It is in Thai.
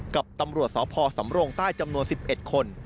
กับตำรวจสพสำรงใต้จำนวน๑๑คน